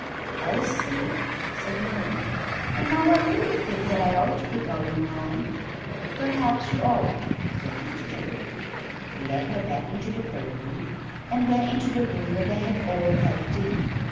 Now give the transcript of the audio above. "I see," said Marian; "and now I really think that I ought to be going home." "Perhaps you ought," said Mr Jugg. He led her back into the playroom, and then into the room where they had all had tea.